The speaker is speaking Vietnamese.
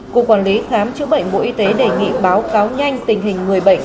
cục quản lý khám chữa bệnh bộ y tế đề nghị báo cáo nhanh tình hình người bệnh